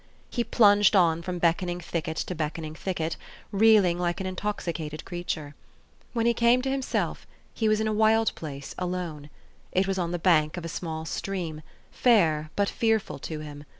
He plunged on from beckoning thicket to beckoning thicket, reeling like an intoxicated creature. When he came to THE STORY OF AVIS. 249 himself, he was in a wild place alone. It was on the bank of a small stream, fair but fearful to him.